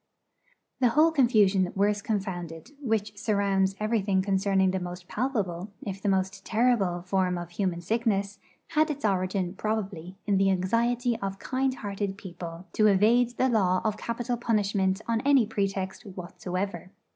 The whole confusion worse confounded, which surrounds everything concerning the most palpable, if the most terrible, form of human sickness, had its origin, probably, in the anxiety of kind hearted people to evade the law of capital punishment on any pretext whatsoever.